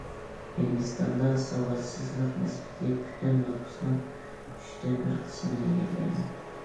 ھىندىستاندا ساۋاتسىزلىق نىسبىتى پۈتۈن نوپۇسنىڭ ئۈچتىن بىر قىسمىنى ئىگىلەيدۇ.